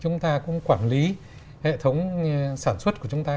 chúng ta cũng quản lý hệ thống sản xuất của chúng ta